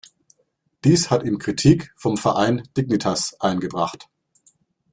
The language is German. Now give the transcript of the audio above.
Dies hat ihm Kritik vom Verein Dignitas eingebracht.